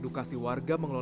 bumk kampung sampah blank room